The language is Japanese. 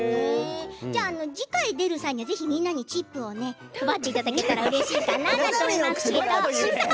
次回の時はみんなにチップを配っていただけたらうれしいかなと思います。